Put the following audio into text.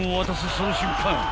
その瞬間